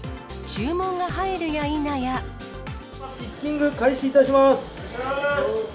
ピッキング開始いたします。